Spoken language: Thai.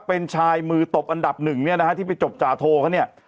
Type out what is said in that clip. เป็นชายมือตบอันดับหนึ่งเนี่ยนะฮะที่ไปจบจาโทเขาเนี่ย